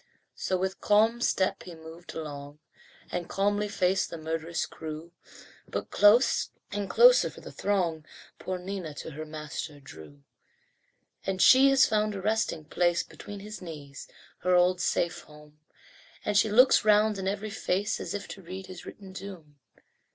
So with calm step he moved along, And calmly faced the murderous crew, But close and closer for the throng, Poor Nina to her master drew. And she has found a resting place Between his knees her old safe home And she looks round in every face As if to read his written doom.